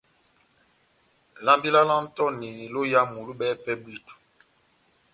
Lambi lá Antoni lóyamu lohibɛwɛ pɛhɛ bwíto.